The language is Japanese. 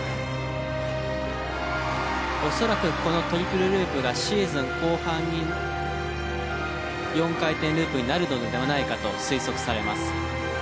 恐らくこのトリプルループがシーズン後半に４回転ループになるのではないかと推測されます。